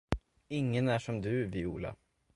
Ingen är som du, Viola!